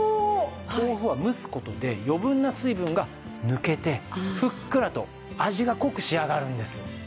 豆腐は蒸す事で余分な水分が抜けてふっくらと味が濃く仕上がるんです。